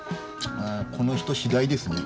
この人次第ですね。